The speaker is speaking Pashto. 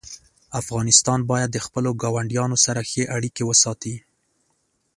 افغانستان باید د خپلو ګاونډیانو سره ښې اړیکې وساتي.